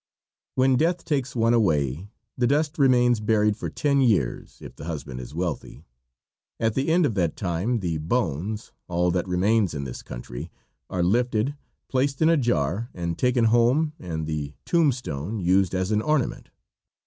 When death takes one away the dust remains buried for ten years, if the husband is wealthy. At the end of that time the bones, all that remains in this country, are lifted, placed in a jar and taken home and the tomb stone used as an ornament.